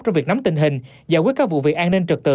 trong việc nắm tình hình giải quyết các vụ việc an ninh trật tự